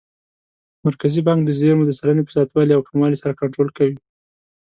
مرکزي بانک د زېرمو د سلنې په زیاتوالي او کموالي سره کنټرول کوي.